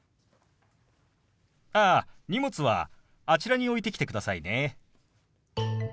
ああ荷物はあちらに置いてきてくださいね。